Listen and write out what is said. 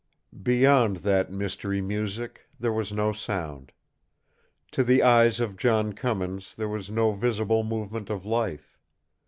Beyond that mystery music there was no sound. To the eyes of John Cummins there was no visible movement of life.